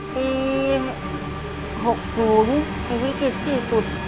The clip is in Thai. ปี๖๐เป็นวิกฤตที่สุด